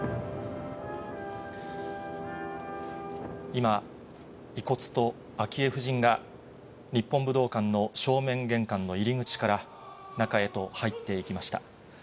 今、遺骨と昭恵夫人が、日本武道館の正面玄関の入り口から、中へと入っていきました。